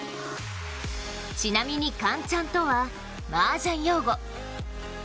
ちなみに、カンチャンとはマージャン用語。